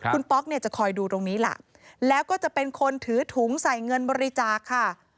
คุณป๊อกเนี่ยจะคอยดูตรงนี้ล่ะแล้วก็จะเป็นคนถือถุงใส่เงินบริจาคค่ะ